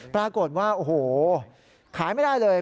ปรากฏว่าโอ้โหขายไม่ได้เลย